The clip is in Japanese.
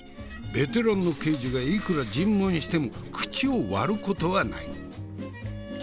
ベテランの刑事がいくら尋問しても口を割ることはない。